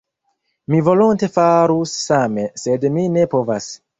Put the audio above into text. Mi volonte farus same, sed mi ne povas.